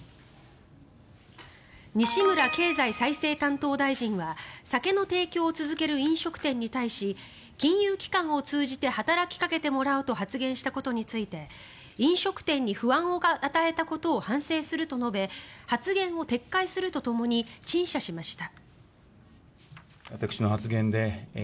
西村経済再生担当大臣は酒の提供を続ける飲食店に対し金融機関を通じて働きかけてもらうと発言したことについて飲食店に不安を与えたことを反省すると述べ発言を撤回するとともに陳謝しました。